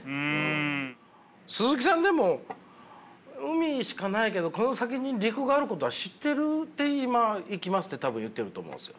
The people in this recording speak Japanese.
鈴木さんでも海しかないけどこの先に陸があることは知ってて今行きますって多分言ってると思うんですよ。